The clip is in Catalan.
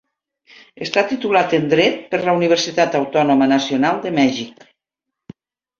Està titulat en Dret per la Universitat Autònoma Nacional de Mèxic.